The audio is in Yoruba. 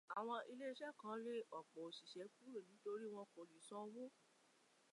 Àwọn ilé-iṣẹ́ kan lé ọ̀pọ̀ òṣìṣẹ́ kúrò nítorí wọn kò lè san owó.